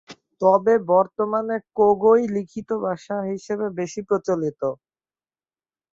তবে বর্তমানে কোগো-ই লিখিত ভাষা হিসেবে বেশি প্রচলিত।